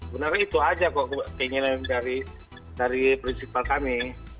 benarnya itu aja kok keinginan dari prinsipal kami